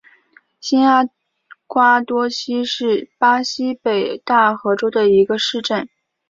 新阿瓜多西是巴西北大河州的一个市镇。